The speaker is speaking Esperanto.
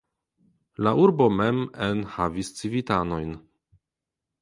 La urbo mem en havis civitanojn.